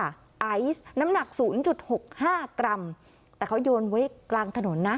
ไอซ์น้ำหนัก๐๖๕กรัมแต่เขาโยนไว้กลางถนนนะ